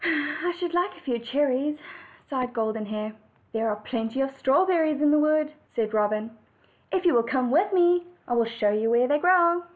"I should like a few cherries," sighed Golden Hair. "There are plenty of strawberries in the wood," said Robin, "If you will come with me, I will show you where they grow."